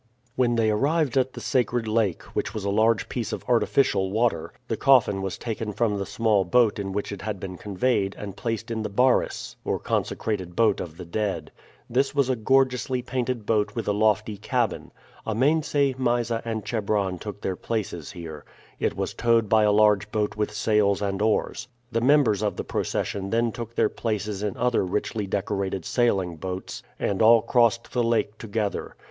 When they arrived at the sacred lake, which was a large piece of artificial water, the coffin was taken from the small boat in which it had been conveyed and placed in the baris, or consecrated boat of the dead. This was a gorgeously painted boat with a lofty cabin. Amense, Mysa, and Chebron took their places here. It was towed by a large boat with sails and oars. The members of the procession then took their places in other richly decorated sailing boats, and all crossed the lake together.